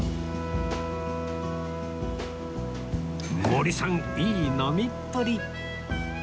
森さんいい飲みっぷり！